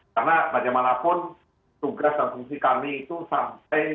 karena bagaimanapun tugas dan fungsi kami itu sampai di awal